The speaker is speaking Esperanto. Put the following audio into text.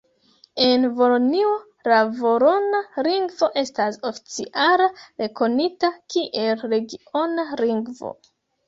En Valonio la valona lingvo estas oficiala rekonita kiel regiona lingvo.